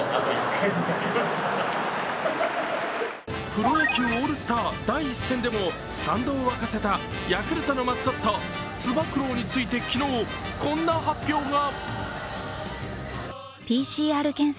プロ野球オールスター第１戦でもスタンドをわかせたヤクルトのマスコット・つば九郎について昨日、こんな発表が。